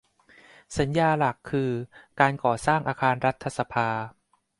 สัญญาหลักคือการก่อสร้างอาคารรัฐสภา